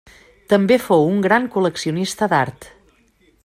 També fou un gran col·leccionista d'art.